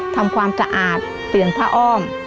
ทำความสะอาดเตือนพระอ้อม